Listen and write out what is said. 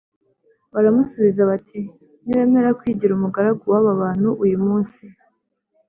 Baramusubiza bati “Niwemera kwigira umugaragu w’aba bantu uyu munsi